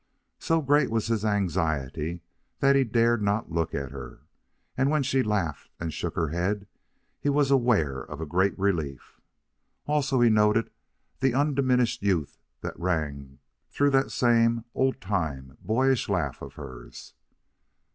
So great was his anxiety that he dared not look at her, and when she laughed and shook her head he was aware of a great relief. Also, he noted the undiminished youth that rang through that same old time boyish laugh of hers.